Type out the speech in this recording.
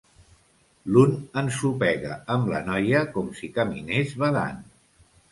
L'un ensopega amb la noia com si caminés badant.